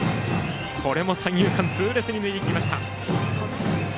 これも三遊間痛烈に抜いていきました。